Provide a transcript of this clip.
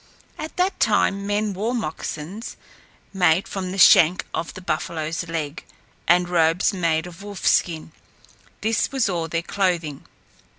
At that time men wore moccasins made from the shank of the buffalo's leg, and robes made of wolfskin. This was all their clothing.